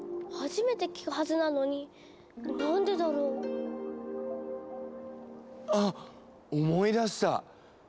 初めて聞くはずなのに何でだろう？あっ思い出した！